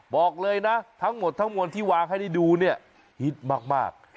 บอกเลยนะทั้งหมดทั้งมวลที่วางให้ได้ดูเนี่ยฮิตมาก